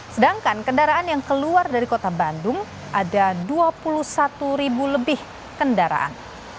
sedangkan kendaraan yang keluar dari kota bandung ada dua puluh satu ribu lebih kendaraan